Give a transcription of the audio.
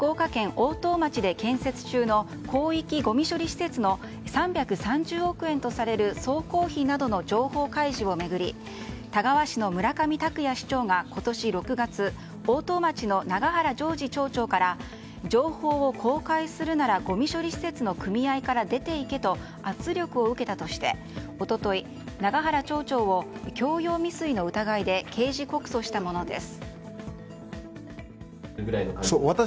大任町で建設中の広域ごみ処理施設の３３０億円とされる総工費などの情報開示を巡り田川市の村上卓哉市長が今年６月大任町の永原譲二町長から情報を公開するならごみ処理施設の組合から出て行けと圧力を受けたとして一昨日、永原町長を強要未遂の疑いで刑事告訴したものです。